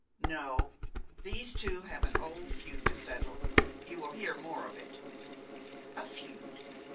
No. These two have an old feud to settle. You will hear more of it." "A feud!